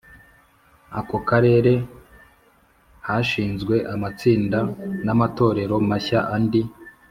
ako karere hashinzwe amatsinda n amatorero mashya Andi